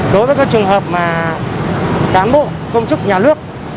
đối với các trường hợp mà cán bộ công chức nhà lước